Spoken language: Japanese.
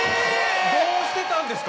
どうしてたんですか？